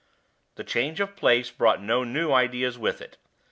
The change of place brought no new ideas with it.